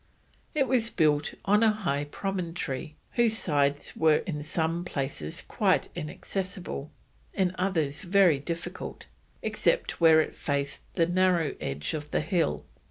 It was built on a high promontory, whose sides were in some places quite inaccessible, in others very difficult, except where it faced the narrow edge of the hill.